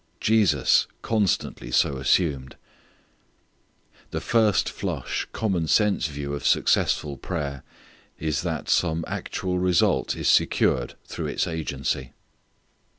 Jesus constantly so assumed. The first flush, commonsense view of successful prayer is that some actual result is secured through its agency.